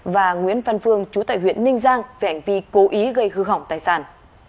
và nguyễn văn phương chú tài huyện ninh giang về ảnh vi cố ý gây hư hỏng tài sản